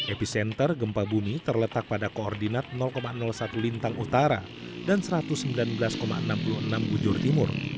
epicenter gempa bumi terletak pada koordinat satu lintang utara dan satu ratus sembilan belas enam puluh enam bujur timur